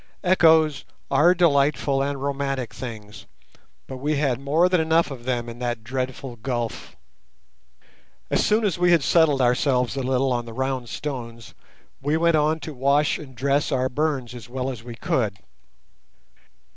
Echoes are delightful and romantic things, but we had more than enough of them in that dreadful gulf. As soon as we had settled ourselves a little on the round stones, we went on to wash and dress our burns as well as we could.